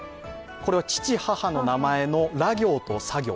これは父母の名前のラ行とサ行。